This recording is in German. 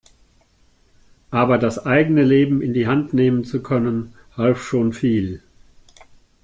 Aber das eigene Leben in die Hand nehmen zu können, half schon viel.